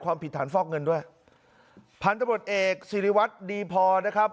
ความผิดฐานฟอกเงินด้วยพันธบทเอกสิริวัตรดีพอนะครับ